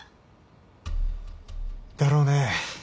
だろうね。